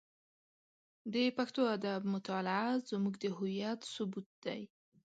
د پښتو ادب مطالعه زموږ د هویت ثبوت دی.